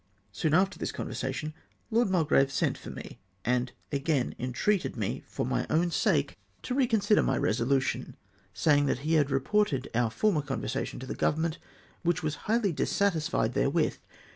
vSoon after this conversation Lord Mulgrave sent for me, and again entreated me, for my own sake, to re OF THANKS TO LORD GA]\1BIER. 405 consider my resolution, saying that he had reported our former conversation to the Government, which was highly dissatisfied therewith.